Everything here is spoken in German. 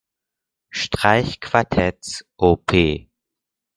Streichquartetts op.